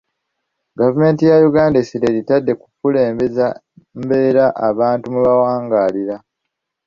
Gavumenti ya Uganda essira eritadde ku kukulembeza mbeera abantu mwe bawangaalira.